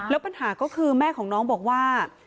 แล้วปัญหาก็คือแม่ของน้องบอกว่า